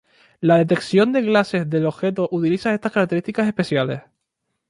La detección de clase del objeto utiliza estas características especiales.